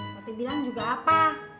mereka bilang juga apa